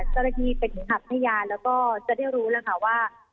เจ้าหน้าที่เป็นขัพยานแล้วก็จะได้รู้แล้วค่ะว่า